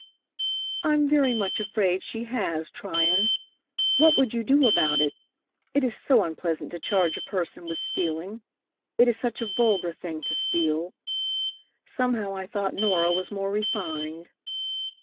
"I'm very much afraid she has, Tryon. What would you do about it? It is so unpleasant to charge a person with stealing. It is such a vulgar thing to steal. Somehow I thought Norah was more refined."